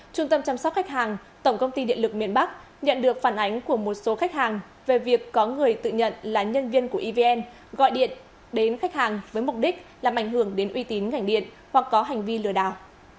trung tâm chăm sóc khách hàng tổng công ty điện lực miền bắc nhận được phản ánh của một số khách hàng về việc có người tự nhận là nhân viên của evn gọi điện đến khách hàng với mục đích làm ảnh hưởng đến uy tín ngành điện hoặc có hành vi lừa đảo